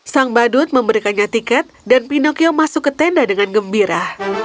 sang badut memberikannya tiket dan pinocyo masuk ke tenda dengan gembira